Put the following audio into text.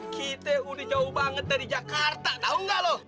kita udah jauh banget dari jakarta tau gak loh